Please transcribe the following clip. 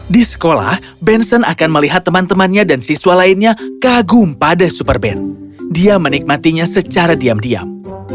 di sekolah benson akan melihat teman temannya dan siswa lainnya kagum pada super ben dia menikmatinya secara diam diam